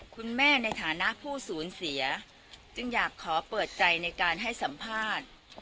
ในฐานะผู้สูญเสียจึงอยากขอเปิดใจในการให้สัมภาษณ์